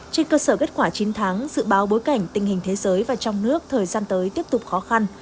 trên cơ sở kết quả chín tháng dự báo bối cảnh tình hình thế giới và trong nước thời gian tới tiếp tục khó khăn